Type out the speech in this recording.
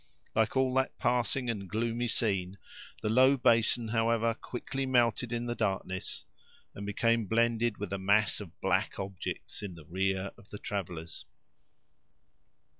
Like all that passing and gloomy scene, the low basin, however, quickly melted in the darkness, and became blended with the mass of black objects in the rear of the travelers.